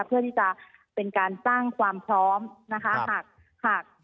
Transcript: เพื่อที่จะเป็นการสร้างความพร้อมนะคะหากหัก